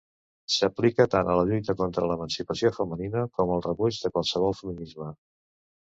S'aplica tant a la lluita contra l'emancipació femenina com al rebuig de qualsevol feminisme.